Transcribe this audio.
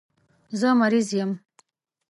زه مریض یم